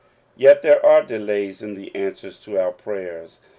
Yet there are delays in the answers to our prayers.